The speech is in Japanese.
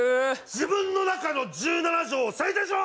自分の中の１７条を制定しろ！